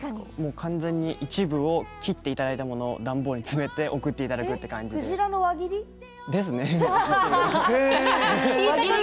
完全に一部切っていただいたものを段ボールに詰めて送っていただくということで。ですね。